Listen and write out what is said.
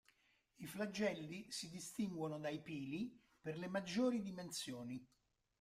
I flagelli si distinguono dai pili per le maggiori dimensioni.